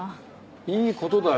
いい事だよ。